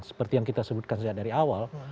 seperti yang kita sebutkan sejak dari awal